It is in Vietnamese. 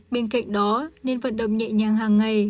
bên cạnh đó nên vận động nhẹ nhàng hàng ngày